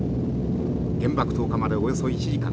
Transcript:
原爆投下までおよそ１時間。